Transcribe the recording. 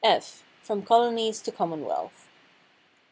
F "From Colonies to Commonwealth."